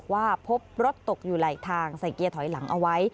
ว่าพบรถตกอยู่หลายทางใส่เกียร์ถอยหลังเอาไว้